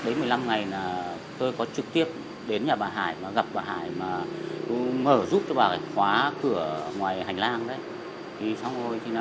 đến một mươi năm ngày tôi có trực tiếp đến nhà bà hải gặp bà hải mở giúp cho bà hải khóa cửa ngoài hành lang